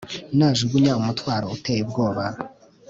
Najugunya umutwaro uteye ubwoba